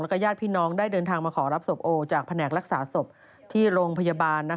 แล้วก็ญาติพี่น้องได้เดินทางมาขอรับศพโอจากแผนกรักษาศพที่โรงพยาบาล